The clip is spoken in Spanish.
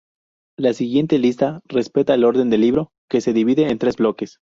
La siguiente lista respeta el orden del libro, que se divide en tres bloques.